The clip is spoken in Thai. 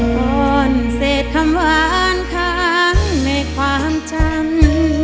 ก่อนเสร็จคำหวานค้างในความจำ